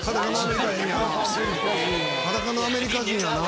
「裸のアメリカ人やな。